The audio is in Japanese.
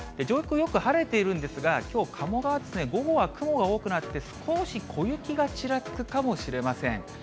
上空、よく晴れているんですが、きょう、鴨川、午後は雲が多くなって、少し小雪がちらつくかもしれません。